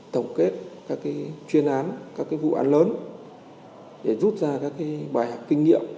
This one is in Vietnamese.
tổng kết các cái chuyên án các cái vụ án lớn để rút ra các cái bài học kinh nghiệm